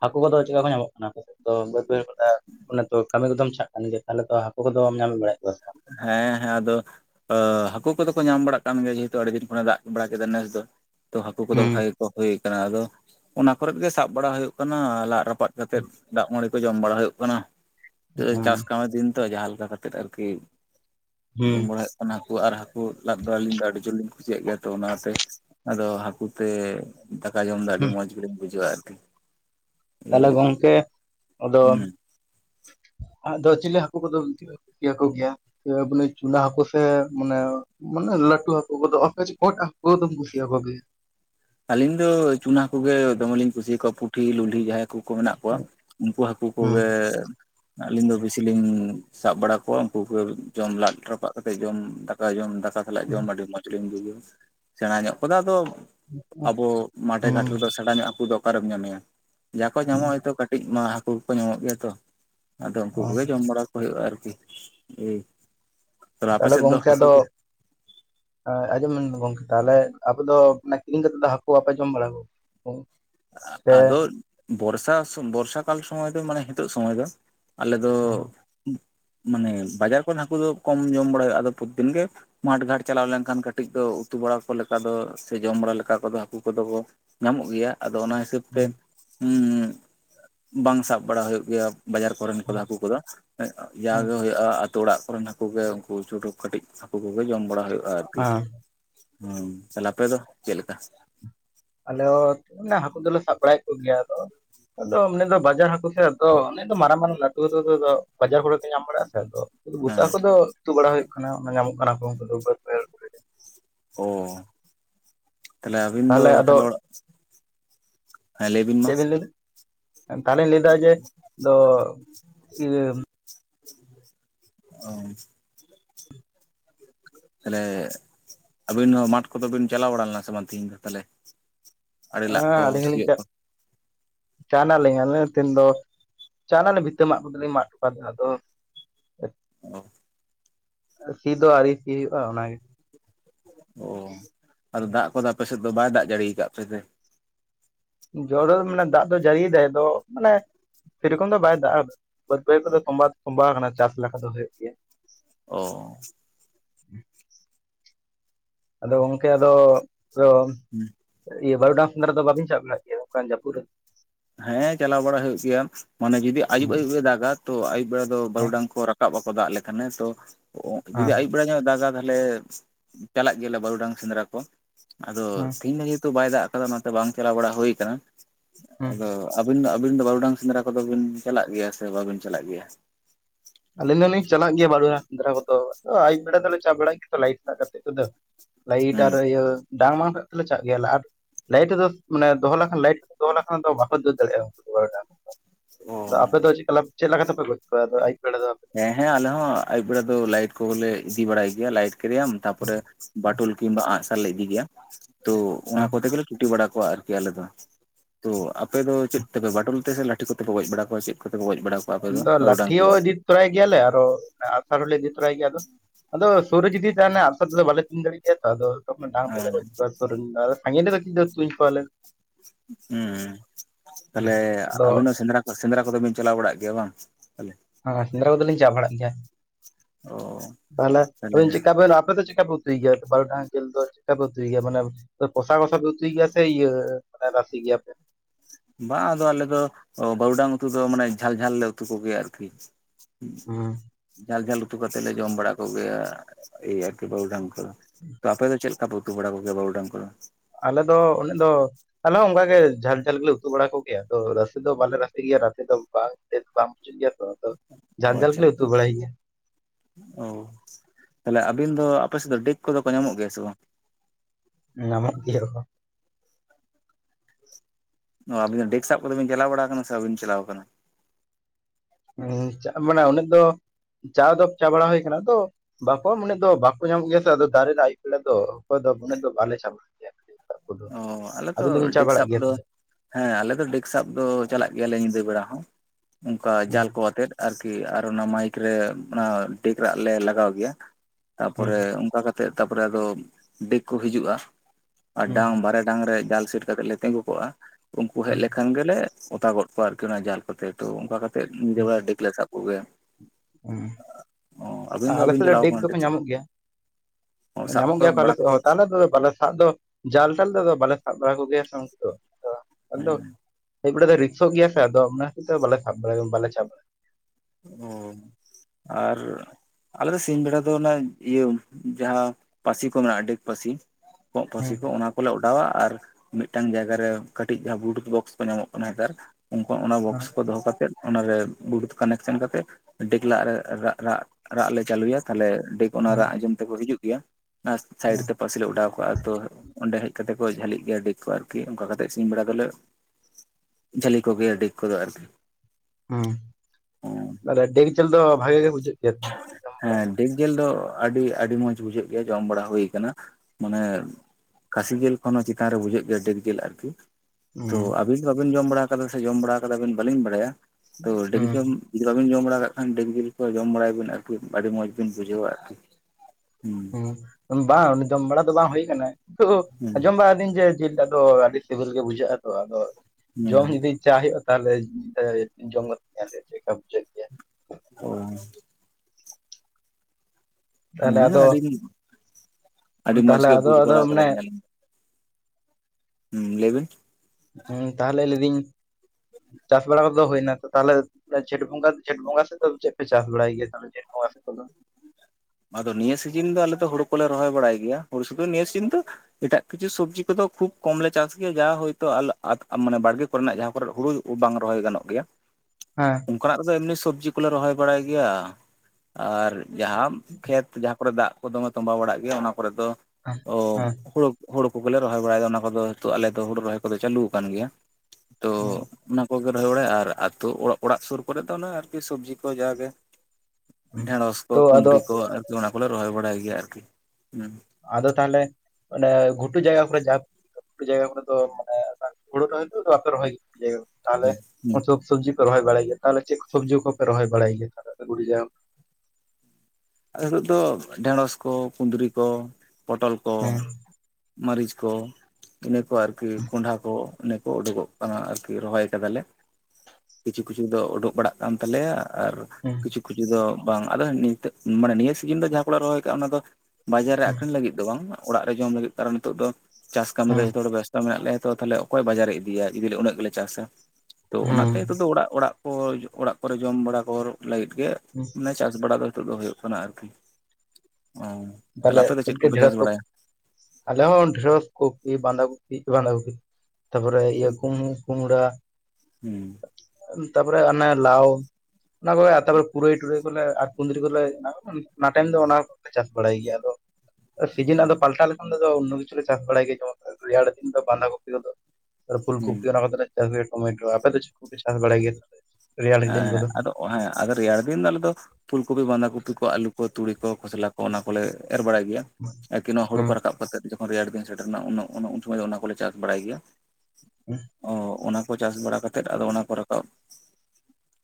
ᱦᱟᱹᱠᱩ ᱠᱚᱫᱚ ᱪᱮᱠᱟ ᱠᱚ ᱧᱟᱢᱚᱜ ᱠᱟᱱᱟ ᱟᱯᱮ ᱥᱮᱫᱚ ᱵᱟᱹᱫ ᱵᱟᱹᱭᱦᱟᱹᱲ ᱠᱚ ᱦᱮᱸ ᱚᱱᱮ ᱛᱚ ᱠᱟᱹᱢᱤ ᱠᱚᱫᱚᱢ ᱪᱟᱜ ᱠᱟᱱ ᱜᱮᱭᱟ ᱛᱟᱦᱚᱞᱮ ᱛᱚ ᱦᱟᱹᱠᱩ ᱠᱚᱫᱚᱢ ᱧᱟᱢ ᱵᱟᱲᱟᱭᱮᱫ ᱠᱚᱣᱟ ᱥᱮ ᱵᱟᱝ?
ᱦᱮᱸ ᱦᱮᱸ ᱟᱫᱚ ᱾ ᱟᱹ ᱦᱟᱹᱠᱩ ᱠᱚᱫᱚ ᱠᱚ ᱧᱟᱢ ᱵᱟᱲᱟᱜ ᱠᱟᱱ ᱜᱮᱭᱟ ᱡᱮᱦᱮᱛᱩ ᱟᱹᱰᱤ ᱫᱤᱱ ᱠᱷᱚᱱᱮ ᱫᱟᱜ ᱵᱟᱲᱟ ᱠᱮᱫᱟ ᱱᱮᱥ ᱫᱚ, ᱛᱚ ᱦᱟᱹᱠᱩ ᱠᱚᱫᱚ
ᱦᱩᱸ
ᱵᱷᱟᱹᱜᱤ ᱠᱚ ᱦᱩᱭ ᱟᱠᱟᱱᱟ ᱟᱫᱚ ᱚᱱᱟ ᱠᱚᱨᱮ ᱜᱮ ᱥᱟᱵ ᱵᱟᱲᱟ ᱦᱩᱭᱩᱜ ᱠᱟᱱᱟ ᱞᱟᱫ ᱨᱟᱯ ᱞᱟᱫ ᱠᱟᱛᱮᱫ ᱫᱟᱜ ᱢᱟᱹᱲᱤ ᱠᱚ ᱡᱚᱢ ᱵᱟᱲᱟ ᱦᱩᱭᱩᱜ ᱠᱟᱱᱟ
ᱦᱩᱸ
ᱪᱟᱥ ᱠᱟᱹᱢᱤ ᱫᱤᱱ ᱛᱚ ᱡᱟᱦᱟᱸ ᱞᱮᱠᱟ ᱠᱟᱛᱮ ᱠᱟᱛᱮᱫ ᱟᱨᱠᱤ
ᱦᱩᱸ
ᱡᱚᱢᱼᱵᱟᱲᱟ ᱾ ᱚᱱᱟ ᱠᱩ ᱦᱟᱹᱠᱩ ᱟᱨ ᱦᱟᱹᱠᱩ ᱞᱟᱫ ᱫᱚ ᱟᱹᱞᱤᱧ ᱫᱚ ᱟᱹᱰᱤ ᱡᱳᱨᱞᱤᱧ ᱠᱩᱥᱤᱭᱟᱜ ᱜᱮᱭᱟ ᱛᱚ ᱚᱱᱟᱛᱮ ᱟᱫᱚ ᱦᱟᱹᱠᱩ ᱛᱮ ᱫᱟᱠᱟ ᱡᱚᱢ ᱫᱚ ᱟᱹᱰᱤ
ᱦᱩᱸ
ᱢᱚᱸᱡᱽ ᱜᱮᱞᱤᱧ ᱵᱩᱡᱷᱟᱹᱣᱟ ᱟᱨᱠᱤ
ᱛᱟᱦᱚᱞᱮ
ᱦᱩᱸ
ᱜᱚᱝᱠᱮ ᱟᱫᱚ ᱟᱫᱚ ᱪᱤᱞᱤ ᱦᱟᱹᱠᱩ ᱠᱚᱫᱚ, ᱤᱭᱟᱹ ᱠᱚ ᱜᱮᱭᱟ ᱟᱫ ᱪᱩᱱᱟ ᱦᱟᱹᱠᱩ ᱥᱮ ᱢᱟᱱᱮ, ᱢᱟᱱᱮ ᱞᱟᱴᱩ ᱦᱟᱹᱠᱩ ᱠᱚᱫᱚ [unintelligible] ᱦᱟᱹᱠᱩ ᱠᱷᱩᱥᱤᱭᱟ ᱟᱠᱚ ᱜᱮ
ᱟᱹᱞᱤᱧ ᱫᱚ ᱪᱩᱱᱟ ᱦᱟᱹᱠᱩ ᱜᱮ ᱫᱚᱢᱮᱞᱤᱧ ᱠᱩᱥᱤ ᱟᱠᱚᱣᱟ ᱯᱩᱴᱷᱤ ᱞᱩᱞᱦᱤ ᱡᱟᱦᱟᱸᱭ ᱠᱚ ᱠᱚ ᱢᱮᱱᱟᱜ ᱠᱚ ᱠᱚᱣᱟ ᱩᱱᱠᱩ ᱦᱟᱹᱠᱩ
ᱦᱩᱸ
ᱠᱚᱜᱮ ᱟᱹᱞᱤᱧ ᱫᱚ ᱵᱮᱥᱤ ᱞᱤᱧ ᱥᱟᱵ ᱵᱟᱲᱟ ᱠᱚᱣᱟ ᱩᱱᱠᱩ ᱠᱚᱜᱮ ᱡᱚᱢ ᱞᱟᱫ ᱨᱟᱯᱟᱜ ᱠᱟᱛᱮᱫ ᱡᱚᱢ ᱫᱟᱠᱟ ᱡᱚᱢ ᱫᱟ ᱥᱟᱫ ᱞᱟᱫ ᱡᱚᱢ ᱟᱹᱰᱤ ᱢᱚᱸᱡᱽ ᱞᱤᱧ ᱵᱩᱡᱟ, ᱥᱮᱬᱟ ᱧᱚᱜ ᱠᱚᱫᱚ ᱟᱫᱚ ᱟᱵᱚ ᱢᱟᱴᱷᱮ ᱜᱷᱟᱴ
ᱦᱩᱸ
ᱨᱮᱫᱚ ᱥᱮᱲᱟ ᱧᱚᱜ ᱦᱟᱹᱠᱩ ᱫᱚ ᱚᱠᱟᱨᱮᱢ ᱧᱟᱢᱮᱭᱟ ᱡᱟ ᱠᱚ
ᱦᱩᱸ
ᱧᱟᱢᱚᱜᱼᱟ ᱦᱚᱭᱛᱳ ᱠᱟᱹᱴᱤᱡ ᱢᱟ ᱦᱟᱹᱠᱩ ᱠᱚᱜᱮ ᱠᱚ ᱧᱟᱢᱚᱜ ᱜᱮᱭᱟ ᱛᱚ ᱟᱫᱚ ᱩᱱᱠᱩ ᱠᱚᱜᱮ ᱡᱚᱢ ᱵᱟᱲᱟ ᱠᱚ ᱦᱩᱭᱩᱜᱼᱟ ᱟᱨᱠᱤ ᱮᱭ ᱟᱯᱮ
ᱛᱟᱦᱞᱮ
ᱥᱮᱫ ᱫᱚ
ᱜᱚᱢᱠᱮ
ᱦᱟᱹᱠᱩ
ᱟᱫᱚ,
ᱠᱚ
ᱮᱸ ᱟᱸᱡᱚᱢ ᱵᱤᱱ ᱜᱚᱝᱠᱮ ᱛᱟᱦᱚᱞᱮ ᱟᱯᱮ ᱫᱚ ᱠᱤᱨᱤᱧ ᱠᱟᱛᱮᱜ ᱫᱚ ᱦᱟᱹᱠᱩ ᱵᱟᱯᱮ ᱡᱚᱢ ᱵᱟᱲᱟ ᱠᱚ ᱦᱩ,
ᱟᱫᱚ ᱵᱚᱨᱥᱟ ᱥᱮ ᱵᱚᱨᱥᱟ ᱠᱟᱞ ᱥᱚᱢᱚᱭ ᱫᱚ ᱢᱟᱱᱮ ᱱᱤᱛᱚᱜ ᱥᱚᱢᱚᱭ ᱫᱚ ᱟᱞᱮ ᱫᱚ [inaudible] ᱢᱟᱱᱮ ᱵᱟᱡᱟᱨ ᱠᱷᱚᱱ ᱦᱟᱹᱠᱩ ᱫᱚ ᱠᱚᱢ ᱡᱚᱢ ᱵᱟᱲᱟᱭ ᱟᱫᱚ ᱯᱨᱚᱛᱤ ᱫᱤᱱ ᱜᱮ ᱢᱟᱴᱷ ᱜᱷᱟᱴ ᱪᱟᱞᱟᱣ ᱞᱮᱱᱠᱷᱟᱱ ᱠᱟᱹᱴᱤᱡ ᱫᱚ ᱩᱛᱩ ᱵᱟᱲᱟ ᱠᱚ ᱞᱮᱠᱟ ᱫᱚ ᱥᱮ ᱡᱚᱢ ᱵᱟᱲᱟ ᱞᱮᱠᱟ ᱠᱚᱫᱚ ᱦᱟᱹᱠᱩ ᱠᱚᱫᱚ ᱠᱚ ᱧᱟᱢᱚᱜ ᱜᱮᱭᱟ ᱟᱫᱚ ᱚᱱᱟ ᱦᱤᱥᱟᱹᱵ ᱛᱮ ᱩᱸ ᱵᱟᱝ ᱥᱟᱵ ᱵᱟᱲᱟ ᱦᱩᱭᱩᱜ ᱜᱮᱭᱟ ᱵᱟᱡᱟᱨ ᱠᱚᱨᱮᱱ ᱠᱚᱫᱚ ᱦᱟᱹᱠᱩ ᱠᱚᱫᱚ ᱮᱸ ᱡᱟᱜᱮ ᱦᱩᱭᱩᱜ ᱟᱹᱛᱩ ᱚᱲᱟᱜ ᱠᱚᱨᱮᱱ ᱦᱟᱹᱠᱩ ᱜᱮ ᱩᱱᱠᱩ ᱪᱩᱰᱩᱵ ᱠᱟᱹᱴᱤᱡ ᱦᱟᱹᱠᱩ ᱠᱚᱜᱮ ᱡᱚᱢ ᱵᱟᱲᱟ ᱦᱩᱭᱩᱜᱼᱟ ᱟᱨᱠᱤ
ᱦᱮᱸ
ᱦᱩᱸ ᱛᱟᱦᱞᱮ ᱟᱯᱮ ᱫᱚ ᱪᱮᱫ ᱞᱮᱠᱟ
ᱟᱞᱮ ᱦᱚᱸ ᱦᱟᱹᱠᱩ ᱫᱚᱞᱮ ᱥᱟᱵ ᱵᱟᱲᱟᱭᱮᱫ ᱠᱚᱜᱮᱭᱟ ᱟᱫᱚ ᱟᱫᱚ ᱩᱱᱤ ᱫᱚ ᱵᱟᱡᱟᱨ ᱦᱟᱹᱠᱩ ᱥᱮᱫᱚ ᱱ ᱟᱫᱚ ᱵᱟᱡᱟᱨ ᱦᱟᱹᱠᱩ ᱛᱮ ᱢᱟᱨᱟᱝ ᱢᱟᱨᱟᱝ ᱞᱟᱹᱴᱩ ᱟᱛᱮ ᱫᱚ ᱵᱟᱡᱟᱨ ᱠᱚᱨᱮ ᱠᱚ ᱧᱟᱢ ᱵᱟᱲᱟᱭ ᱟ ᱥᱮ ᱟᱫᱚ
ᱦᱮᱸ
ᱵᱩᱥᱟᱹᱜ ᱠᱚᱫᱚ ᱩᱛᱩ ᱵᱟᱲᱟ ᱦᱩᱭᱩᱜ ᱠᱟᱱᱟ ᱚᱱᱟ ᱧᱟᱢᱚᱜ ᱠᱟᱱᱟ ᱠᱚ ᱩᱱᱠᱩ ᱫᱚ ᱵᱟᱹᱭᱦᱟᱹᱲ ᱠᱚᱨᱮ ᱜᱮ᱾
ᱚ ᱛᱟᱦᱚᱞᱮ ᱟᱹᱵᱤᱱ ᱫᱚ ᱛᱟᱦᱚᱞᱮ ᱚᱲᱟᱜ ᱦᱮᱸ ᱞᱮᱹᱭ ᱵᱤᱱ ᱢᱟ
ᱪᱮᱫ ᱞᱟᱹᱭᱫᱟ ᱛᱟᱦᱚᱞᱮᱧ ᱞᱟᱹᱭᱫᱟ ᱡᱮ ᱫᱚ ᱤᱭᱟᱹ
ᱚ [inaudible] ᱛᱟᱦᱞᱮ ᱟᱹᱵᱤᱱ ᱦᱚᱸ ᱢᱟᱴᱷ ᱠᱚᱫᱚ ᱵᱤᱱ ᱪᱟᱞᱟᱣ ᱵᱟᱲᱟ ᱞᱮᱱᱟ ᱥᱮ ᱵᱟᱝ ᱛᱮᱦᱮᱧ ᱫᱚ ᱛᱟᱦᱚᱞᱮ ᱟᱲᱮ
ᱦᱮ
ᱞᱟᱜ ᱠᱚ
ᱟᱞᱤᱧ ᱞᱤᱧ
ᱥᱤᱭᱳᱜ ᱠᱚ
ᱪᱟᱞᱟᱣ ᱟᱞᱤᱝ ᱛᱤᱱ ᱫᱚ ᱪᱟ ᱞᱮᱱᱟᱞᱤᱧ ᱵᱷᱤᱛᱟᱹ ᱢᱟᱜ ᱠᱚᱫᱚᱞᱤᱧ ᱢᱟᱜ ᱦᱚᱴᱚ ᱠᱟᱫᱟ ᱫᱚ
ᱚ
ᱥᱤ ᱫᱚ ᱟᱨᱹᱣᱨᱤ ᱥᱤ ᱦᱩᱭᱩᱜᱼᱟ ᱚᱱᱟᱜᱮ
ᱚ ᱟᱫᱚ ᱫᱟᱜ ᱠᱚᱫᱚ ᱟᱯᱮ ᱥᱮᱫ ᱫᱚ ᱵᱟᱭ ᱫᱟᱜ ᱡᱟᱹᱲᱤᱠᱟᱣᱫ ᱯᱮ ᱛᱮ
ᱡᱚᱲᱚ ᱢᱟᱱᱮ ᱫᱟᱜ ᱫᱚ ᱡᱟᱹᱲᱤᱭ ᱫᱟᱭ ᱢᱟᱱᱮ ᱥᱮᱨᱚᱠᱚᱢ ᱫᱚ ᱵᱟᱭ ᱫᱟᱜ ᱫᱟ ᱵᱟᱹᱫ ᱵᱟᱹᱭᱦᱟᱹᱲ ᱠᱚ ᱛᱚᱸᱵᱟ ᱫᱚ ᱛᱚᱸᱵᱟ ᱟᱠᱟᱱᱟ ᱪᱟᱥ ᱞᱮᱠᱟ ᱫᱚ ᱦᱩᱭᱩᱜ ᱜᱮᱭᱟ
ᱚ
ᱟᱫᱚ ᱜᱚᱢᱠᱮ ᱟᱫᱚ
[unintelligible]
ᱵᱟᱨᱩᱰᱟᱝ ᱥᱮᱫᱽᱹᱨᱟ ᱫᱚ ᱵᱟᱵᱤᱱ ᱪᱟᱞᱟᱜ ᱜᱮᱭᱟ ᱡᱟᱯᱩᱫ ᱨᱮ
ᱦᱮᱸ ᱪᱟᱞᱟᱣ ᱵᱟᱲᱟ ᱦᱩᱭᱩᱜ ᱜᱮᱭᱟ ᱢᱟᱱᱮ ᱡᱩᱫᱤ ᱟᱭᱩᱵ ᱟᱭᱩᱵ ᱮ ᱫᱟᱜᱟ ᱛᱚ ᱟᱭᱩᱵ ᱵᱮᱲᱟ ᱫᱚ
ᱦᱮᱸ
ᱵᱟᱹᱨᱩᱰᱟᱝ ᱠᱚ ᱨᱟᱠᱟᱵ ᱨᱟᱠᱟᱵ ᱟᱠᱚ ᱫᱟᱜ ᱞᱮᱠᱷᱟᱱᱮ ᱚᱜ
ᱦᱮᱸ
ᱡᱩᱫᱤ ᱟᱭᱩᱵ [unintelligible] ᱧᱚᱜ ᱫᱟᱜᱟ ᱛᱟᱦᱚᱞᱮ ᱪᱟᱞᱟᱜ ᱜᱮᱭᱟᱞᱮ ᱵᱟᱨᱩᱰᱟᱝ ᱥᱮᱸᱫᱽᱨᱟ ᱠᱚ ᱟᱫᱚ
ᱦᱮᱸ
ᱛᱮᱦᱤᱧ ᱫᱚ ᱡᱮᱦᱮᱛᱩ ᱵᱟᱭ ᱫᱟᱜ ᱟᱠᱟᱫᱟ ᱚᱱᱟᱛᱮ ᱵᱟᱝ ᱪᱟᱞᱟᱣ ᱵᱟᱲᱟ ᱦᱩᱭ ᱟᱠᱟᱱᱟ
ᱦᱮᱸ
ᱟᱫᱚ ᱟᱹᱵᱤᱱ ᱫᱚ ᱟᱹᱵᱤᱱ ᱫᱚ ᱵᱟᱨᱩᱰᱟᱝ ᱥᱮᱸᱫᱽᱨᱟ ᱠᱚᱫᱚ ᱵᱤᱱ ᱪᱟᱞᱟᱜ ᱜᱮᱭᱟ ᱥᱮ ᱵᱟᱵᱤᱱ ᱪᱟᱞᱟᱜ ᱜᱮᱭᱟ
ᱟᱞᱤᱧ ᱫᱚᱞᱤᱧ ᱪᱟᱞᱟᱜ ᱜᱮᱭᱟ ᱵᱟᱨᱩᱜᱰᱟᱝ ᱥᱮᱸᱫᱽᱨᱟ ᱠᱚᱫᱚ ᱟᱹᱭᱩᱵ ᱵᱮᱲᱟ ᱫᱚᱞᱮ ᱪᱟ ᱵᱟᱲᱟ ᱜᱮᱭᱟᱚ ᱞᱟᱭᱤᱴ ᱥᱟᱵ ᱠᱟᱛᱮ ᱠᱚᱫᱚ ᱞᱟᱭᱤᱴ
ᱦᱩᱸ
ᱟᱨ ᱤᱭᱟᱹ ᱫᱟᱝ ᱢᱟᱝ ᱥᱚᱜ ᱫᱚᱞᱮ ᱪᱟᱜ ᱜᱮᱭᱟᱞᱮ ᱞᱟᱭᱤᱴ ᱫᱚ ᱢᱟᱱᱮ ᱫᱚᱦᱚ ᱞᱮᱠᱷᱟᱱ ᱞᱟᱭᱤᱴ ᱫᱚᱦᱚ ᱞᱮᱠᱷᱟᱱ ᱫᱚ ᱵᱟᱠᱚ ᱫᱟᱲᱨ ᱫᱟᱲᱮᱭᱟᱜᱼᱟ ᱵᱟᱨᱩᱰᱟᱝ
ᱚ
ᱟᱫᱚ ᱟᱯᱮ ᱫᱚ ᱪᱮᱫ ᱪᱮᱫ ᱞᱮᱠᱟᱛᱮᱯᱮ ᱜᱚᱡ ᱠᱚᱣᱟ ᱟᱫᱚ ᱵᱮᱲᱟ ᱫᱚ ᱟᱯᱮ
ᱦᱮᱸ ᱦᱮᱸ ᱟᱞᱮ ᱦᱚᱸ ᱟᱭᱩᱵ ᱵᱮᱲᱟ ᱫᱚ ᱞᱟᱭᱤᱴ ᱠᱚᱞᱮ ᱤᱫᱤ ᱵᱟᱲᱟᱭ ᱜᱮᱭᱟ ᱞᱟᱭᱤᱴ ᱠᱮᱫᱮᱭᱟᱢ ᱛᱟᱯᱚᱨᱮ ᱵᱟᱴᱳᱞ ᱠᱤᱢᱵᱟ ᱟᱸᱜᱥᱟᱨ ᱞᱮ ᱤᱫᱤ ᱜᱮᱭᱟ ᱛᱚ ᱚᱱᱟ ᱠᱚᱛᱮ ᱜᱮᱞᱮ ᱪᱷᱩᱴᱤ ᱵᱟᱲᱟ ᱠᱚᱣᱟ ᱟᱨᱠᱤ ᱟᱞᱮ ᱫᱚ ᱛᱚ ᱟᱯᱮ ᱫᱚ ᱪᱮᱫ ᱛᱮᱯᱮ ᱵᱟᱴᱚᱞ ᱛᱮ ᱥᱮ ᱞᱟᱹᱴᱷᱤ ᱠᱚᱛᱮᱯᱮ ᱜᱚᱡ ᱵᱟᱲᱟ ᱠᱚᱣᱟ ᱪᱮᱫ ᱠᱚᱛᱮ ᱯᱮ ᱜᱚᱡ ᱵᱟᱲᱟ ᱠᱚᱣᱟ ᱟᱯᱮ ᱫᱚ
ᱟᱫᱚ
ᱵᱟᱹᱨᱩᱰᱟᱝ
ᱞᱟᱴᱷᱤ
ᱠᱚ
ᱦᱚᱸ
ᱵᱟᱝ
ᱤᱫᱤ ᱛᱚᱨᱟᱭ ᱜᱮᱭᱟᱞᱮ ᱟᱨᱚ ᱟᱜᱥᱟᱨ ᱦᱚᱸᱞᱮ ᱤᱫᱤ ᱛᱚᱨᱟᱭ ᱜᱮᱭᱟ ᱟᱫᱚ ᱟᱫᱚ ᱥᱚᱨ ᱨᱮ ᱡᱩᱫᱤ ᱛᱟᱦᱮᱱᱟ ᱟᱜᱥᱟᱨ ᱛᱮᱫᱚ ᱵᱟᱞᱮ ᱛᱩᱧ ᱫᱟᱲᱮᱭᱟ ᱛᱚᱠᱷᱚᱱ ᱰᱟᱝᱹ ᱛᱮᱞᱮ ᱜᱚᱡ ᱠᱚᱣᱟ ᱥᱟᱺᱜᱤᱧ ᱨᱮᱫᱚ ᱞᱮ ᱛᱩᱧ ᱠᱚᱣᱟᱞᱮ
ᱦᱮᱸ ᱛᱟᱦᱚᱞᱮ
ᱟᱫᱚ
ᱟᱹᱵᱤᱱ ᱦᱚᱸ ᱥᱮᱸᱫᱽᱨᱟ ᱥᱮᱸᱫᱽᱨᱟ ᱠᱚᱫᱚ ᱵᱤᱱ ᱪᱟᱞᱟᱣ ᱵᱟᱲᱟᱜ ᱜᱮᱭᱟ ᱵᱟᱝ ᱛᱟᱦᱚᱞᱮ
ᱦᱮᱸ ᱥᱮᱸᱫᱽᱨᱟ ᱠᱚᱫᱚᱞᱤᱧ ᱪᱟᱞᱟᱣ ᱵᱟᱲᱟᱜ ᱜᱮᱭᱟ
ᱚ
ᱛᱟᱦᱚᱞᱮ ᱟᱵᱤᱱ ᱪᱮᱠᱟ ᱵᱤᱱ ᱟᱯᱮ ᱫᱚ ᱪᱮᱠᱟ ᱯᱮ ᱜᱮᱭᱟ ᱵᱟᱨᱩᱰᱟᱝ ᱡᱤᱞ ᱫᱚ ᱪᱮᱠᱟᱯᱮ ᱩᱛᱩ ᱜᱮᱭᱟ ᱢᱟᱱᱮ ᱛᱚ ᱠᱚᱥᱟᱣ ᱠᱚᱥᱟᱣ ᱩᱛᱩᱭ ᱜᱮᱭᱟ ᱥᱮ ᱤᱭᱟᱹ ᱢᱟᱱᱮ ᱨᱟᱥᱮ ᱜᱮᱭᱟ ᱯᱮ
ᱵᱟᱝ ᱟᱫᱚ ᱟᱞᱮ ᱫᱚ ᱵᱟᱹᱨᱩᱰᱟᱝ ᱩᱛᱩ ᱫᱚ ᱢᱟᱱᱮ ᱡᱷᱟᱞ ᱡᱷᱟᱞ ᱞᱮ ᱩᱛᱩ ᱠᱚᱜᱮᱭᱟ ᱟᱨᱠᱤ
ᱦᱩᱸ
ᱡᱷᱟᱞ ᱡᱷᱟᱞ ᱩᱛᱩ ᱠᱟᱛᱮᱜ ᱞᱮ ᱡᱚᱢ ᱵᱟᱲᱟ ᱠᱚᱜᱮᱭᱟ ᱮᱭ ᱟᱨᱠᱤ ᱵᱟᱹᱨᱩᱰᱟᱝ ᱠᱚ ᱛᱚ ᱟᱯᱮ ᱫᱚ ᱪᱮᱫ ᱞᱮᱠᱟ ᱯᱮ ᱩᱛᱩ ᱵᱟᱲᱟ ᱠᱚᱜᱮᱭᱟ ᱵᱩᱹᱨᱩᱰᱟᱝ ᱠᱚᱫᱚ
ᱟᱞᱮ ᱫᱚ ᱚᱱᱮ ᱫᱚ ᱟᱞᱮᱦᱚᱸ ᱚᱱᱠᱟ ᱜᱮ ᱡᱷᱟᱞ ᱡᱷᱟᱞ ᱜᱮᱞᱮ ᱩᱛᱩ ᱵᱟᱲᱟ ᱠᱚᱜᱮᱭᱟ ᱛᱚ ᱨᱟᱥᱮ ᱫᱚ ᱵᱟᱞᱮ ᱨᱟᱥᱮ ᱜᱮᱭᱟ ᱨᱟᱥᱮ ᱫᱚ ᱵᱟᱝ ᱴᱮᱥ ᱵᱟᱝ [unintelligible]
ᱚ ᱟᱪᱪᱷᱟ
ᱜᱮᱞᱮ
ᱟᱪᱪᱷᱟ
ᱩᱛᱩ ᱵᱟᱲᱟᱭ ᱜᱮᱭᱟ
ᱚ ᱛᱟᱦᱚᱞᱮ ᱟᱹᱵᱤᱱ ᱫᱚ ᱟᱯᱮ ᱥᱮᱫ ᱫᱚ ᱰᱤᱜ ᱠᱚᱫᱚ ᱠᱚ ᱧᱟᱢᱚᱜ ᱜᱮᱭᱟ ᱥᱮ ᱵᱟᱝ
ᱧᱟᱢᱚᱜ ᱜᱮ ᱠᱚ
ᱚ ᱟᱵᱤᱱ ᱫᱚ ᱰᱤᱜ ᱥᱠᱚᱛᱮᱵᱤᱱ ᱪᱟᱞᱟᱣ ᱵᱟᱲᱟ ᱟᱠᱟᱱᱟ ᱥᱮ ᱟᱹᱵᱤᱱ ᱪᱟᱞᱟᱣ ᱟᱠᱟᱱᱟ
ᱦᱮ ᱢᱟᱱᱮ ᱩᱱᱟᱹᱜ ᱫᱚ ᱪᱟ ᱫᱚ ᱪᱟ ᱵᱟᱲᱟ ᱦᱩᱭ ᱠᱟᱱᱟ ᱛᱚ ᱵᱟᱠᱚ ᱢᱚᱱᱮ ᱫᱚ ᱵᱟᱠᱚ ᱧᱟᱢ ᱜᱮᱭᱟ ᱥᱮ ᱟᱫᱚ ᱫᱟᱨᱮ ᱨᱮᱱᱟᱜ ᱟᱹᱭᱩ ᱵᱮᱲᱟ ᱫᱚ ᱚᱠᱚᱭ ᱫᱚ ᱢᱟᱱᱮ ᱫᱚ ᱵᱟᱞᱮ ᱥᱟᱵ ᱠᱚ ᱜᱮᱭ-ᱟ᱾ ᱠᱚᱫᱚ
ᱚ ᱟᱞᱮ ᱛᱚ
ᱟᱹᱵᱤᱱ ᱫᱚᱵᱤᱱ ᱪᱟ
ᱰᱤᱜ
ᱵᱟᱲᱟᱜ
ᱥᱟᱵ
ᱜᱮᱭᱟ
ᱫᱚ
ᱥᱮ ᱪᱮᱫ?
ᱦᱮᱸ ᱟᱞᱮ ᱫᱚ ᱰᱮᱠ ᱥᱟᱵ ᱫᱚ ᱪᱟᱞᱟᱜ ᱜᱮᱭᱟᱞᱮ ᱧᱤᱫᱟᱹ ᱵᱮᱲᱟ ᱦᱚᱸ ᱚᱱᱠᱟ
ᱦᱩᱸ
ᱡᱟᱞ ᱠᱚ ᱟᱛᱮᱜ ᱟᱨᱠᱤ ᱟᱨ ᱚᱱᱟ ᱢᱟᱭᱤᱠ ᱨᱮ ᱚᱱᱟ ᱰᱮᱠ ᱨᱟᱜ ᱞᱮ ᱞᱟᱜᱟᱣ ᱜᱮᱭᱟ
ᱦᱩᱸ
ᱛᱟᱯᱚᱨᱮ ᱚᱱᱠᱟ ᱠᱟᱛᱮ ᱛᱮᱫ ᱛᱟᱯᱚᱨᱮ ᱟᱫᱚ ᱰᱤᱜ ᱠᱚ ᱦᱤᱡᱩᱜ-ᱟ᱾ ᱟᱨ
ᱦᱩᱸ
ᱰᱟᱝ ᱵᱟᱨᱭᱟ ᱰᱟᱝ ᱨᱮ ᱡᱟᱞ ᱥᱤᱴ ᱠᱟᱛᱮᱫ ᱞᱮ ᱛᱤᱸᱜᱩ ᱠᱚᱜᱼᱟ ᱩᱱᱠᱩ ᱦᱮᱡ
ᱦᱩᱸ
ᱞᱮᱠᱷᱟᱱ ᱜᱮᱞᱮ ᱚᱛ ᱜᱚᱫ ᱠᱚᱣᱟ ᱟᱨᱠᱤ ᱚᱱᱟ ᱡᱟᱞ ᱠᱚᱛᱮ ᱮᱠᱴᱩ ᱚᱱᱠᱟ ᱠᱟᱛᱮᱫ ᱱᱤᱡᱮ ᱵᱮᱲᱟ ᱰᱤᱠ ᱥᱟᱵ ᱠᱚᱜᱮ
ᱦᱮᱸ ᱟᱞᱮ ᱥᱮᱫ ᱫᱚ
ᱪᱟᱞᱟᱣ
ᱰᱮᱠ
ᱠᱟᱱᱟ
ᱫᱚᱠᱚ
ᱥᱟᱵ
ᱧᱟᱢᱚᱜ ᱜᱮᱭᱟ!
ᱚ ᱥᱟᱵ
ᱧᱟᱢ ᱜᱮᱭᱟ ᱠᱚ ᱟᱞᱮ
ᱵᱟᱲᱟ
ᱥᱮᱫ ᱦᱚ
ᱠᱚᱫᱚ
ᱟᱞᱮ ᱫᱚ ᱵᱟᱞᱮ ᱥᱟᱵ ᱫᱚ ᱡᱟᱞᱴᱟᱞ ᱛᱮᱫᱚ ᱵᱟᱞᱮ ᱥᱟᱵ ᱵᱟᱲᱟ ᱠᱚᱜᱮᱭᱟ ᱥᱮ ᱩᱱᱠᱩ ᱫᱚ ᱟᱫᱚ
ᱦᱮᱸ
ᱟᱭᱩᱵ ᱵᱮᱲᱟ ᱫᱚ ᱨᱤᱠᱥ ᱜᱮᱭᱟ ᱟᱫᱚ ᱚᱱᱟ ᱠᱷᱟᱹᱛᱤᱨ ᱨᱮ ᱵᱟᱮ ᱥᱟᱵ ᱵᱟᱲᱟ ᱵᱟᱮᱟᱵᱲᱟᱭᱟ
ᱚ ᱟᱨ ᱟᱞᱮ ᱫᱚ ᱥᱤᱧ ᱵᱮᱲᱟ ᱫᱚ ᱚᱱᱟ ᱤᱭᱟᱹ ᱡᱟᱦᱟ ᱯᱟᱥᱤ ᱠᱚ ᱢᱮᱱᱟᱜᱼᱟ ᱰᱟᱹᱠ ᱯᱟᱥᱤ ᱠᱚᱸᱜ ᱯᱟᱥᱤ
ᱦᱮᱸ
ᱠᱚ ᱚᱱᱟ ᱠᱚᱞᱮ ᱚᱰᱟᱣᱟ ᱟᱨ ᱢᱤᱫᱴᱟᱝ ᱡᱟᱭᱜᱟ ᱨᱮ ᱠᱟᱹᱴᱤᱡ ᱡᱟᱦᱟᱸ ᱵᱩᱞᱩᱴᱩᱛᱷ ᱵᱚᱠᱥ ᱠᱚ ᱧᱟᱢᱚᱜ ᱠᱟᱱᱟ ᱦᱮᱛᱟᱨ ᱩᱱᱠᱩᱣᱟᱜ ᱚᱱᱟ ᱵᱚᱠᱥ
ᱦᱮᱸ
ᱠᱚ ᱫᱚᱦᱚ ᱠᱟᱛᱮᱫ ᱚᱱᱟᱨᱮ ᱠᱟᱱᱮᱠᱥᱮᱱ ᱠᱟᱛᱮ ᱰᱮᱜ ᱞᱟᱜ ᱨᱟᱜ ᱨᱟᱜ ᱨᱟᱜ ᱞᱮ ᱪᱟᱞᱩᱭᱟ ᱛᱟᱦᱞᱮ ᱰᱮᱜ ᱚᱱᱟ
ᱦᱮᱸ
ᱨᱟᱜ ᱠᱚ ᱦᱤᱡᱩᱜ ᱜᱮᱭᱟ ᱟᱨ ᱯᱟᱥᱤ ᱞᱮ ᱚᱰᱟᱣ ᱠᱟᱜᱼᱟ ᱛᱚ ᱚᱸᱰᱮ ᱦᱮᱡ ᱠᱟᱛᱮ ᱠᱚ ᱡᱷᱟᱞᱤᱜ ᱜᱮᱭᱟ ᱰᱮᱜ ᱠᱚ ᱟᱨᱠᱤ ᱚᱱᱠᱟ ᱠᱟᱛᱮᱜ ᱥᱤᱧ ᱵᱮᱲᱟ ᱫᱚᱞᱮ ᱡᱷᱟᱹᱞᱤ ᱠᱚ ᱜᱮᱭᱟ ᱰᱮᱹᱠ ᱠᱚᱫᱚ ᱟᱨ
ᱦᱩᱸ ᱛᱟᱦᱚᱞᱮ ᱰᱮᱲ ᱪᱟᱸᱫᱚ ᱵᱷᱟᱜᱮ ᱜᱮ ᱵᱩᱡᱷᱟᱹᱜ ᱜᱮᱭᱟ ᱛᱚ ᱡᱚᱢ ᱵᱟᱲᱟ
ᱦᱮᱸ ᱰᱮᱠ ᱡᱮᱞ ᱫᱚ ᱟᱹᱰᱤ ᱟᱹᱰᱤ ᱢᱚᱸᱡᱽ ᱵᱩᱡᱷᱟᱹᱜ ᱜᱮᱭᱟ ᱡᱚᱢ ᱵᱟᱲᱟ ᱦᱩᱭ ᱠᱟᱱᱟ ᱢᱟᱱᱮ ᱠᱟᱥᱤ ᱡᱤᱞ ᱠᱷᱚᱱ ᱦᱚᱸ ᱪᱮᱛᱟᱱ ᱨᱮ ᱵᱩᱡᱷᱟᱹᱜ ᱜᱮᱭᱟ ᱰᱮᱠ ᱡᱤᱞ ᱟᱨᱠᱤ ᱛᱚ
ᱦᱩᱸ
ᱟᱵᱤᱱ ᱵᱟᱵᱤᱱ ᱡᱚᱢ ᱵᱟᱲᱟᱣ ᱠᱟᱫᱟ ᱥᱮ ᱡᱚᱢ ᱵᱟᱲᱟ ᱠᱟᱫᱟᱵᱤᱱ ᱵᱟᱹᱞᱤᱧ ᱵᱟᱲᱟᱭᱟ ᱛᱚ ᱰᱮᱠ
ᱦᱩᱸ
ᱡᱚᱢ ᱡᱩᱫᱤ ᱵᱟᱵᱤᱱ ᱡᱚᱢ ᱵᱟᱲᱟ ᱠᱟᱜ ᱠᱷᱟᱱ ᱰᱟᱹᱠ ᱡᱤᱞ ᱠᱚ ᱡᱚᱢ ᱵᱟᱲᱟᱭ ᱵᱤᱱ ᱟᱨᱠᱤ ᱟᱰᱤ ᱢᱚᱡᱽ ᱵᱤᱱ ᱵᱩᱡᱷᱟᱹᱣᱟ
ᱵᱟ ᱩᱱᱤ ᱡᱚᱢ ᱵᱟᱲᱟ ᱫᱚ ᱵᱟᱝ ᱦᱩᱭ ᱠᱟᱱᱟ
ᱦᱩᱸ
ᱟᱸᱡᱚᱢ ᱵᱟᱲᱟ ᱟᱹᱫᱤᱧ ᱡᱤᱞ ᱴᱟᱜ ᱟᱰᱤ ᱥᱤᱵᱤᱞ ᱜᱮ ᱵᱩᱡᱷᱟᱹᱜ ᱟᱛᱚ ᱟᱫᱚ ᱡᱚᱢ
ᱦᱩᱸ
ᱪᱟᱜ ᱦᱩᱭᱩᱜᱼᱟ ᱛᱟᱦᱞᱮ ᱡᱚᱢ ᱠᱟᱛᱮ ᱧᱮᱞ ᱦᱩᱭᱩᱜ-ᱟ ᱪᱮᱠᱟ ᱵᱩᱡᱟᱹᱜ ᱜᱮᱭᱟ
ᱚ
ᱛᱟᱦᱚᱞᱮ
ᱦᱮᱸ
ᱟᱫᱚ
ᱟᱹᱰᱤᱧ ᱟᱰᱤ ᱢᱚᱡᱽ
ᱛᱟᱦᱚᱞᱮ
ᱜᱮ
ᱟᱫᱚ
ᱵᱩᱡ
ᱟᱫᱚ
ᱵᱟᱲᱟ
ᱢᱟᱱᱮ
ᱠᱟᱫᱟᱞᱤᱧ ᱟᱹᱞᱤᱧ ᱦᱩᱸ ᱞᱟᱹᱭ
ᱦᱩᱸ ᱛᱟᱦᱞᱮ ᱞᱮᱫᱤᱧ ᱪᱟᱥ ᱵᱟᱲᱟ ᱠᱚᱫᱚ ᱦᱩᱭᱱᱟ ᱛᱚ ᱛᱟᱦᱚᱞᱮ ᱡᱷᱮᱸᱴ ᱵᱚᱸᱜᱟ ᱡᱷᱮᱸᱴ ᱵᱚᱸᱜᱟ ᱥᱮᱫ ᱫᱚ ᱪᱮᱫ ᱯᱮ ᱪᱟᱥ ᱵᱟᱲᱟᱭ ᱜᱮᱭᱟ ᱛᱟᱦᱚᱞᱮ [unintelligible]
ᱟᱫᱚ ᱱᱤᱭᱟᱹ ᱥᱤᱡᱤᱱ ᱫᱚ ᱟᱞᱮ ᱫᱚ ᱦᱩᱲᱩ ᱠᱚᱞᱮ ᱨᱚᱦᱚᱭ ᱵᱟᱲᱟᱭ ᱜᱮᱭᱟ ᱦᱩᱲᱩ ᱥᱩᱫᱩ ᱱᱤᱭᱟᱹ ᱥᱤᱡᱤᱱ ᱮᱴᱟᱜ ᱠᱤᱪᱷᱩ ᱥᱚᱵᱽᱡᱤ ᱠᱚᱫᱚ ᱠᱷᱩᱵ ᱠᱚᱢᱞᱮ ᱪᱟᱥ ᱜᱮᱭᱟ ᱡᱟ ᱦᱳᱭᱛᱚ [unintelligible] ᱢᱟᱱᱮ ᱵᱟᱲᱜᱮ ᱠᱚᱨᱮᱱᱟᱜ ᱡᱟᱦᱟᱸ ᱠᱚᱨᱮᱫ ᱦᱩᱲᱩ ᱵᱟᱝ ᱨᱚᱦᱚᱭ ᱜᱟᱱᱚᱜ ᱜᱮᱭᱟ
ᱦᱮ‌
ᱚᱱᱠᱟᱱᱟᱜ ᱨᱚᱫᱚ ᱮᱢᱱᱤ ᱥᱚᱵᱽᱡᱤ ᱠᱚᱞᱮ ᱨᱚᱦᱚᱭ ᱵᱟᱲᱟᱭ ᱜᱮᱭᱟ ᱟᱨ ᱡᱟᱦᱟᱸ ᱠᱷᱮᱛ ᱡᱟᱦᱟᱸ ᱠᱚᱨᱮ ᱫᱟᱜ ᱠᱚ ᱫᱚᱢᱮ ᱛᱚᱸᱵᱟ ᱵᱟᱲᱟᱜ ᱜᱮᱭᱟ ᱚᱱᱟ ᱠᱚᱨᱮ ᱫᱚ
ᱦᱮᱸ ᱦᱮᱸ
ᱦᱩᱲᱩ ᱠᱚᱜᱞᱮ ᱨᱚᱦᱚᱭ ᱵᱟᱲᱟᱭᱟ ᱚᱱᱟ ᱠᱚᱫᱚ ᱦᱤᱛᱳᱜ ᱟᱞᱮ ᱫᱚ ᱦᱩᱲᱩ ᱨᱚᱦᱚᱭ ᱠᱚᱫᱚ ᱪᱟᱞᱩᱣ ᱠᱟᱱ ᱜᱮᱭᱟ ᱛᱚ
ᱦᱮᱸ
ᱚᱱᱟ ᱠᱚᱜᱮ ᱨᱮᱣᱲᱮ ᱟᱨ ᱟᱛᱩ ᱚᱲ ᱚᱲᱟᱜ ᱥᱩᱨ ᱠᱚᱨᱮ ᱫᱚ ᱩᱱᱟᱹᱜ ᱟᱨᱠᱤ ᱥᱚᱵᱡᱤ ᱠᱚ ᱡᱟᱜᱮ ᱰᱷᱮᱸᱲᱚᱥ ᱠᱚ
ᱛᱚ ᱟᱫᱚ
ᱠᱩᱸᱫᱽᱨᱤ ᱠᱚ ᱟᱨᱠᱤ ᱚᱱᱟ ᱠᱚᱞᱮ ᱨᱚᱦᱚᱭ ᱵᱟᱲᱟᱭ ᱜᱮᱭᱟ ᱟᱨᱠᱤ
ᱟᱫᱚ ᱛᱟᱦᱞᱮ ᱚᱱᱮ ᱜᱷᱩᱴᱩ ᱡᱟᱭᱜᱟ ᱠᱚᱨᱮ ᱡᱟ ᱡᱟᱭᱜᱟ ᱠᱚᱨᱮ ᱫᱚ ᱢᱟᱱᱮ ᱚᱱᱟ ᱦᱩᱲᱩ ᱨᱚᱦᱚᱭ ᱠᱚ ᱵᱟᱯᱮ ᱨᱚᱦᱚᱭ ᱡᱟᱭᱦᱳᱠ ᱛᱟᱦᱞᱮ ᱥᱚᱵᱡᱤ ᱯᱮ ᱨᱚᱦᱚᱭ ᱵᱟᱲᱟᱭ ᱜᱮᱭᱟ ᱛᱟᱦᱚᱞᱮ ᱪᱮᱜ ᱠᱚ ᱥᱚᱵᱡᱤ ᱠᱚᱯᱮ ᱵᱟᱲᱟᱭ ᱜᱮᱭᱟ? [unintelligible]
ᱟᱞᱮᱥᱮᱜ ᱫᱚ ᱰᱷᱮᱸᱲᱚᱥ ᱠᱚ ᱠᱩᱸᱫᱽᱨᱤ ᱠᱚ ᱯᱚᱴᱚᱞ ᱠᱚ᱾
ᱦᱮᱸ
ᱢᱟᱹᱨᱤᱪ ᱠᱚ ᱤᱱᱟᱹ ᱠᱚ ᱟᱨᱠᱤ ᱠᱚᱸᱰᱦᱟ ᱠᱚ᱾ ᱤᱱᱟᱹᱠᱚ ᱩᱰᱩᱠᱚᱜ ᱠᱟᱱᱟ ᱟᱨᱠᱤ ᱨᱚᱦᱚᱭ ᱠᱟᱫᱟᱞᱮ᱾ ᱠᱤᱪᱷᱩ ᱠᱤᱪᱷᱩ ᱫᱚ ᱩᱰᱳᱜ ᱵᱟᱲᱟᱜ ᱠᱟᱱ ᱛᱟᱞᱮᱭᱟ ᱟᱨ
[inaudible]
ᱠᱷᱩᱪᱩ ᱫᱚ ᱵᱟᱝ ᱟᱫᱚ ᱱᱤᱛᱟᱹᱜ ᱢᱟᱱᱮ ᱱᱤᱭᱟᱹ ᱥᱤᱡᱤᱱ ᱫᱚ ᱡᱟᱦᱟᱸ ᱠᱚᱞᱮ ᱨᱚᱦᱚᱭ ᱟᱠᱟᱜᱼᱟ ᱚᱱᱟ ᱫᱚ ᱵᱟᱡᱟᱨ ᱨᱮ
ᱦᱮᱸ
ᱟᱠᱷᱨᱤᱧ ᱞᱟᱹᱜᱤᱜ ᱫᱚ ᱵᱟᱝ ᱚᱲᱟᱜ ᱨᱮ ᱡᱚᱢ ᱞᱟᱹᱜᱤᱫ ᱠᱟᱨᱚᱱ ᱱᱤᱛᱚᱜ ᱫᱚ ᱪᱟᱥ ᱠᱟᱹᱢᱤ ᱨᱮ
ᱦᱮᱸ
ᱡᱚᱛᱚ ᱦᱚᱲ ᱵᱮᱥ ᱢᱮᱱᱟᱜ ᱞᱮᱭᱟ ᱛᱚ ᱛᱟᱦᱞᱮ ᱚᱠᱚᱭ ᱵᱟᱡᱟᱨᱮ ᱤᱫᱤᱭᱟ ᱤᱫᱤᱨᱮ ᱩᱱᱟᱹᱜ ᱜᱮᱞᱮ ᱪᱟᱥᱟ ᱛᱚ
ᱦᱮᱸ
ᱚᱱᱛᱮ ᱱᱤᱛᱚᱜ ᱫᱚ ᱚᱲᱟᱜ ᱚᱲᱟᱜ ᱠᱚ ᱚᱲᱟᱜ ᱠᱚᱨᱮ ᱡᱚᱢ ᱵᱟᱲᱟ ᱠᱚ ᱞᱟᱹᱜᱤᱫ ᱜᱮ
[inaudible]
ᱢᱟᱱᱮ ᱪᱟᱥ ᱵᱟᱲᱟ ᱫᱚ ᱦᱤᱛᱚᱜ ᱫᱚ ᱦᱩᱭᱩᱜ ᱠᱟᱱᱟ ᱟᱨᱠᱤ᱾ ᱚᱸ
ᱛᱟᱦᱞᱮ, ᱠᱟᱹᱴ ᱰᱷᱮᱲᱚᱥ ᱟᱞᱮ ᱦᱚᱸ ᱰᱷᱮᱲᱚᱥ ᱠᱚᱯᱤ ᱵᱟᱸᱫᱷᱟ ᱠᱚᱯᱤ ᱵᱟᱸᱫᱷᱟ ᱠᱚᱯᱤ [unintelligible] ᱛᱟᱯᱚᱨᱮ ᱤᱭᱟᱹ ᱠᱩᱢᱩ ᱠᱩᱢᱲᱟ
ᱦᱩᱸ
ᱛᱟᱯᱚᱨᱮ ᱚᱱᱮ ᱞᱟᱣ ᱚᱱᱟ ᱠᱚᱜᱮ ᱛᱟᱯᱚᱨᱮ ᱯᱩᱨᱟᱹᱭ ᱴᱩᱨᱟᱹᱭ ᱠᱚᱞᱮ ᱟᱨ ᱠᱩᱸᱫᱽᱨᱤ ᱠᱚᱞᱮ ᱚᱱᱟ ᱴᱟᱭᱤᱢ ᱫᱚ ᱚᱱᱟ ᱪᱟᱥ ᱵᱟᱲᱟᱭ ᱜᱮᱭᱟ ᱟᱫᱚ ᱥᱤᱡᱤᱱ ᱟ
ᱦᱩᱸ
ᱫᱚ ᱯᱟᱞᱴᱟᱣ ᱞᱮᱠᱷᱟᱱ ᱫᱚ ᱚᱱᱱᱚᱠᱤᱪᱷᱩ ᱪᱟᱥ ᱵᱟᱲᱟᱭ ᱜᱮᱭᱟ ᱡᱮᱢᱚᱱ ᱨᱮᱭᱟᱲ ᱫᱤᱱ ᱫᱚ ᱵᱟᱸᱫᱷᱟ ᱠᱚᱯᱤ ᱠᱚᱫᱚ ᱯᱷᱩᱞ
ᱦᱮᱸ
ᱠᱚᱯᱤ ᱚᱱᱟ ᱠᱚᱫᱚ ᱪᱟᱥ ᱴᱚᱢᱮᱴᱳ ᱟᱯᱮ ᱫᱚ ᱪᱮᱫ ᱪᱟᱥ ᱵᱟᱲᱟᱭ ᱜᱮᱭᱟ? ᱨᱮᱭᱟᱲ ᱫᱤᱱ
ᱦᱮᱸ
ᱠᱚᱫᱚ?
ᱟᱫᱚ ᱦᱮᱸ ᱟᱫᱚ ᱨᱮᱭᱟᱲ ᱫᱤᱱ ᱫᱚ ᱟᱞᱮ ᱫᱚ ᱯᱷᱩᱞ ᱠᱚᱯᱤ, ᱵᱟᱸᱫᱷᱟ ᱠᱚᱯᱤ, ᱠᱚ ᱟᱞᱩ ᱠᱚ, ᱛᱩᱲᱤ ᱠᱚ, ᱠᱷᱚᱥᱞᱟ ᱠᱚ, ᱚᱱᱟ ᱠᱚᱞᱮ ᱮᱨ ᱵᱟᱲᱟᱭ ᱜᱮᱭᱟ ᱾ ᱟᱨᱠᱤ ᱱᱚᱣᱟ ᱦᱩᱲᱩ
ᱦᱩᱸ
ᱠᱚ ᱨᱟᱠᱟᱵ ᱠᱟᱛᱮ ᱡᱚᱠᱷᱚᱱ ᱨᱮᱭᱟᱲ ᱫᱤᱱ ᱥᱮᱴᱮᱨᱮᱱᱟ ᱩᱱᱚ ᱩᱱ ᱥᱚᱢᱚᱭ ᱫᱚ ᱚᱱᱟ ᱠᱚᱞᱮ ᱪᱟᱥ ᱵᱟᱲᱟᱭ ᱜᱮᱭᱟ ᱾
[inaudible]
ᱚ ᱚᱱᱟ ᱠᱚ ᱪᱟᱥ ᱵᱟᱲᱟ ᱠᱟᱛᱮᱫ ᱟᱫᱚ ᱚᱱᱟ ᱠᱚ ᱨᱟᱠᱟᱵ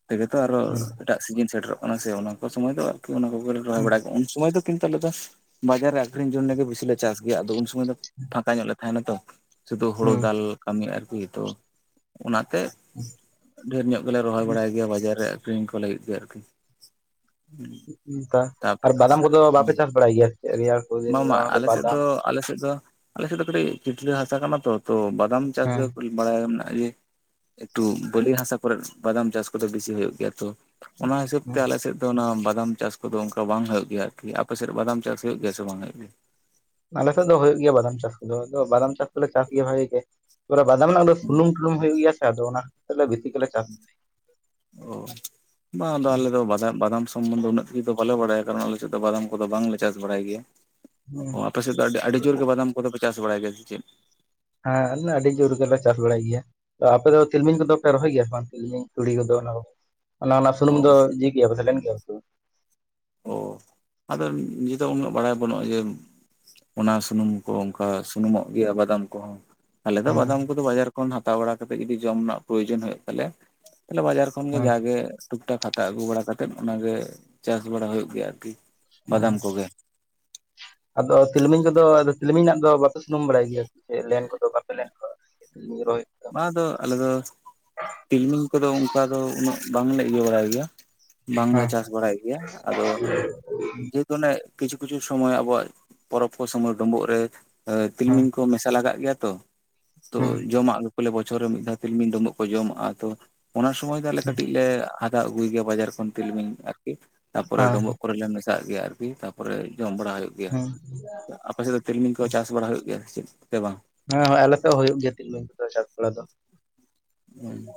ᱛᱮᱜᱮᱛᱚ ᱟᱨᱚ
ᱦᱩᱸ
ᱮᱴᱟᱜ ᱥᱤᱡᱤᱱ ᱥᱮᱴᱮᱨᱚᱜ ᱠᱟᱱᱟ ᱥᱮ ᱚᱱᱟ ᱠᱚ ᱥᱚᱢᱚᱭ ᱫᱚ ᱟᱨᱠᱤ ᱚᱱᱟ ᱠᱚᱜᱮᱞᱮ ᱨᱚᱦᱚᱭ
ᱦᱩᱸ
ᱵᱟᱲᱟ ᱜᱮᱭᱟ᱾ ᱩᱱ ᱥᱚᱢᱟᱹᱭ ᱫᱚ ᱠᱤᱱᱛᱩ ᱟᱞᱮ ᱫᱚ ᱵᱟᱡᱟᱨ ᱨᱮ ᱟᱠᱷᱨᱤᱧ ᱡᱚᱱᱱᱮ ᱜᱮ ᱵᱮᱥᱤ ᱞᱮ ᱪᱟᱥ ᱜᱮᱭᱟ ᱟᱫᱚ ᱩᱱ ᱥᱚᱢᱚᱭ ᱫᱚ ᱯᱷᱟᱸᱠᱟ ᱧᱚᱜ ᱞᱮ ᱦᱮᱱᱟᱛᱚ ᱥᱩᱫᱩ ᱦᱳᱲᱳ
ᱦᱩᱸ
ᱫᱟᱞ ᱠᱟᱹᱢᱤ ᱟᱨᱠᱤ ᱛᱚ ᱚᱱᱟᱛᱮ ᱰᱷᱮᱨ ᱧᱚᱜ ᱜᱮᱞᱮ ᱨᱚᱦᱚᱭ ᱵᱟᱲᱟᱭ ᱜᱮᱭᱟ ᱵᱟᱡᱟᱨ ᱨᱮ ᱟᱠᱷᱨᱤᱧ ᱠᱚ ᱞᱟᱹᱜᱤᱫ ᱜᱮ ᱟᱨᱠᱤ᱾
ᱚᱝᱠᱟ
ᱛᱟᱯ
ᱟᱨ ᱵᱟᱫᱟᱢ ᱠᱚᱫᱚ ᱵᱟᱯᱮ ᱪᱟᱥ ᱵᱟᱲᱟᱭ ᱜᱮᱭᱟ ᱥᱮ ᱪᱮᱜ? ᱨᱮᱭᱟᱲ ᱠᱚ ᱫᱤᱱ ᱫᱚ ᱵᱟᱫᱟᱢ
ᱟᱞᱮᱥᱮᱫ ᱫᱚ ᱟᱞᱮᱥᱮᱫ ᱫᱚ ᱠᱟᱹᱴᱤᱡ ᱠᱤᱪᱞᱟᱹ ᱦᱟᱥᱟ ᱠᱟᱱᱟ ᱛᱚ ᱛᱚ ᱵᱟᱫᱟᱢ ᱪᱟᱥ
ᱦᱮᱸ
ᱫᱚ ᱵᱟᱲᱟᱭ ᱢᱮᱱᱟᱜ ᱜᱮ ᱡᱮ ᱮᱠᱴᱩ ᱵᱟᱹᱞᱤ ᱦᱟᱥᱟ ᱠᱚᱨᱮ ᱵᱟᱫᱟᱢ ᱪᱟᱥ ᱠᱚᱫᱚ ᱵᱤᱥᱤ ᱦᱩᱭᱩᱜ ᱜᱮᱭᱟ ᱛᱚ᱾ ᱚᱱᱟ ᱦᱤᱥᱟᱹᱵ ᱛᱮ
ᱦᱮᱸ
ᱟᱞᱮ ᱥᱮᱫ ᱚᱱᱟ ᱵᱟᱫᱟᱢ ᱪᱟᱥ ᱠᱚᱫᱚ ᱚᱱᱠᱟ ᱵᱟᱝ ᱦᱩᱭᱩᱜ ᱜᱮᱭᱟ ᱟᱨᱠᱤ ᱟᱯᱮᱥᱮᱫ ᱵᱟᱫᱟᱢ ᱪᱟᱥ ᱦᱩᱭᱩᱜ ᱜᱮᱭᱟ ᱥᱮ ᱵᱟᱝ ᱦᱩᱭᱩᱜ ᱜᱮᱭᱟ?
ᱟᱞᱮᱮᱥᱮᱫ ᱫᱚ ᱦᱩᱭᱩᱜᱭ ᱜᱮᱭᱟ ᱵᱟᱫᱟᱢ ᱪᱟᱥ ᱠᱚᱫᱚ ᱟᱫᱚ ᱵᱟᱫᱟᱢ ᱪᱟᱥ ᱫᱚᱞᱮ ᱪᱟᱥ ᱜᱮᱭᱟ ᱵᱷᱟᱜᱤ ᱜᱮ ᱛᱮ ᱵᱟᱫᱟᱢ ᱨᱮᱱᱟᱜ ᱫᱚ ᱥᱩᱱᱩᱢ ᱰᱩᱞᱩᱝ ᱦᱩᱭᱩᱜ ᱜᱮᱭᱟ ᱥᱮ ᱟᱫᱚ ᱚᱱᱟ ᱠᱷᱟᱛᱤᱨ ᱵᱤᱥᱤ ᱜᱮᱞᱮ ᱪᱟᱥ
ᱚ ᱵᱟᱝ ᱟᱫᱚ ᱟᱞᱮᱫ ᱫᱚ ᱵᱟᱡᱟ ᱵᱟᱫᱟᱢ ᱥᱚᱢᱢᱚᱱᱫᱚ ᱫᱚ ᱩᱱᱟᱹᱜ ᱥᱤ ᱫᱚ ᱵᱟᱞᱮ ᱵᱟᱲᱟᱭᱟ ᱠᱟᱨᱚᱱ ᱟᱞᱮ ᱪᱮᱫ ᱫᱚ ᱵᱟᱫᱟᱢ ᱠᱚᱫᱚ ᱵᱟᱝᱞᱮ ᱪᱟᱥ ᱵᱟᱲᱟᱭ ᱜᱮᱭᱟ ᱾
ᱜᱮᱭᱟ᱾
ᱚ ᱟᱯᱮ ᱥᱮᱫ ᱫᱚ ᱟᱹᱰᱤ ᱡᱳᱨ ᱜᱮ ᱵᱟᱫᱟᱢ ᱠᱚᱫᱚᱯᱮ ᱪᱟᱥ ᱵᱟᱲᱟᱭ ᱜᱮᱭᱟ ᱥᱮ ᱪᱮᱫ?
ᱦᱮᱸ ᱟᱞᱮ ᱟᱹᱰᱤ ᱡᱳᱨ ᱜᱮᱞᱮ ᱪᱟᱥ ᱵᱟᱲᱟᱭ ᱜᱮᱭᱟ ᱾ ᱟᱯᱮᱫ ᱫᱚ ᱛᱤᱞᱢᱤᱧ ᱠᱚᱫᱚ ᱯᱮ ᱨᱚᱦᱚᱭ ᱜᱮᱭᱟ ᱵᱟᱝ ᱛᱤᱞᱢᱤᱧ ᱛᱩᱲᱤ ᱠᱚᱫᱚ ᱚᱱᱟ ᱠᱚ? ᱚᱱᱟ ᱚᱱᱟ
ᱚ
ᱥᱩᱱᱩᱢ ᱫᱚ ᱡᱤ ᱜᱮᱭᱟ ᱯᱮ ᱥᱮ ᱞᱮᱱ ᱜᱮᱭᱟ
ᱚ ᱟᱫᱚ ᱱᱤᱡᱮᱫᱚ ᱩᱱᱟᱹᱜ ᱵᱟᱲᱟᱭ ᱵᱟᱹᱱᱩᱜᱼᱟ ᱡᱮ ᱚᱱᱟ ᱥᱩᱱᱩᱢ ᱠᱚ ᱚᱝᱠᱟ ᱥᱩᱱᱩᱢᱚᱜ ᱜᱮᱭᱟ ᱵᱟᱫᱟᱢ ᱠᱚᱦᱚᱸ᱾ ᱟᱞᱮ ᱫᱚ
ᱦᱮᱸ
ᱵᱟᱫᱟᱢ ᱠᱚᱫᱚ ᱵᱟᱡᱟᱨ ᱠᱷᱚᱱ ᱦᱟᱛᱟᱣ ᱵᱟᱲᱟ ᱠᱟᱛᱮᱜ ᱡᱩᱫᱤ ᱡᱚᱢ ᱱᱟᱜ ᱯᱨᱚᱭᱳᱡᱚᱱ ᱦᱩᱭᱩᱜ ᱛᱟᱞᱮᱭᱟ ᱛᱟᱞᱮ ᱵᱟᱡᱟᱨ ᱠᱷᱚᱱ ᱜᱮ
ᱦᱮᱸ
ᱡᱟᱜᱮ ᱴᱩᱠᱴᱟ ᱦᱟᱛᱟᱣ ᱟᱹᱜᱩ ᱵᱟᱲᱟ ᱠᱟᱛᱮᱜ ᱚᱱᱟᱜᱮ ᱪᱟᱥ ᱵᱟᱲᱟ ᱜᱮᱭᱟ ᱟᱨᱠᱤ᱾ ᱵᱟᱫᱟᱢ
ᱟᱪ
ᱠᱚᱜᱮ
ᱟᱫᱚ ᱛᱤᱞᱢᱤᱧ ᱠᱚᱫᱚ ᱟᱫᱚ ᱛᱤᱞᱢᱤᱧ ᱨᱮᱱᱟᱜ ᱫᱚ ᱵᱟᱯᱮ ᱥᱩᱱᱩᱢ ᱵᱟᱲᱟᱭ ᱜᱮᱭᱟ? ᱞᱮᱱ ᱠᱚᱫᱚ ᱵᱟᱯᱮ ᱞᱮᱱ [unintelligible] ᱨᱚᱦᱚᱭ ᱠᱚᱫᱚ?
ᱟᱫᱚ ᱟᱞᱮ ᱫᱚ ᱛᱤᱞᱢᱤᱧ ᱠᱚᱫᱚ ᱚᱝᱠᱟ ᱫᱚ ᱩᱱᱟᱹᱜ ᱵᱟᱝᱞᱮ ᱤᱭᱟᱹ ᱵᱟᱲᱟᱭ ᱜᱮᱭᱟ ᱾ ᱵᱟᱝᱞᱮ
ᱦᱮᱸ
ᱪᱟᱥ ᱵᱟᱲᱟᱭ ᱜᱮᱭᱟ ᱟᱫᱚ ᱡᱮ ᱚᱱᱮ ᱠᱤᱪᱷᱩ ᱠᱤᱪᱷᱩ ᱥᱚᱢᱚᱭ ᱟᱵᱚᱣᱟᱜ ᱯᱚᱨᱚᱵᱽ ᱠᱚ ᱥᱚᱢᱚᱭ ᱰᱩᱢᱵᱩᱜ ᱨᱮ
ᱦᱮᱸ
ᱛᱤᱞᱢᱤᱧ ᱠᱚ ᱢᱮᱥᱟ ᱞᱟᱜᱟᱜ ᱜᱮᱭᱟ ᱛᱚ [unintelligible]
ᱦᱮᱸ ᱦᱮᱸ
ᱛᱚ ᱡᱚᱢᱟᱜ ᱵᱚᱪᱷᱚᱨ ᱨᱮ ᱢᱤᱫ ᱫᱷᱟᱣ ᱛᱤᱞᱢᱤ ᱰᱩᱵᱩᱜ ᱠᱚ ᱡᱚᱢᱟᱜᱼᱟ ᱾ ᱛᱚ ᱚᱱᱟ ᱥᱚᱢᱚᱭ ᱫᱚ ᱟᱞᱮ ᱠᱟᱹᱴᱤᱡ ᱞᱮ ᱦᱟᱛᱟᱣ ᱟᱹᱜᱩᱭ ᱜᱮᱭᱟ ᱵᱟᱡᱟᱨ ᱠᱷᱚᱱ ᱛᱤᱞᱢᱤᱧ ᱟᱨᱠᱤ ᱛᱟᱨᱯᱚᱨ ᱰᱳᱢᱵᱚᱜ ᱠᱚᱨᱮ ᱞᱮ ᱢᱮᱥᱟᱜ ᱜᱮᱭᱟ ᱟᱨᱠᱤ ᱛᱟᱨᱯᱚᱨᱮ ᱡᱚᱢ ᱵᱟᱲᱟ ᱦᱩᱭᱩᱜ ᱜᱮᱭᱟ
ᱚ
[unintelligible] ᱟᱯᱮ ᱥᱮᱫ ᱫᱚ ᱛᱤᱞᱢᱤᱧ ᱠᱚ ᱪᱟᱥ ᱵᱟᱲᱟ ᱦᱩᱭᱩᱜ ᱜᱮᱭᱟ ᱪᱮᱫ ᱥᱮ ᱵᱟᱝ
ᱦᱮᱸ ᱦᱳᱸᱭ ᱟᱞᱮ ᱥᱮᱫ ᱦᱩᱭᱩᱜ ᱜᱮᱭᱟ ᱛᱤᱞᱢᱤᱧ ᱠᱚ ᱪᱟᱥ ᱵᱟᱲᱟ ᱫᱚ ᱾
ᱦᱮᱸ